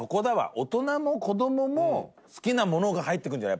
大人も子供も好きなものが入ってくるんじゃない？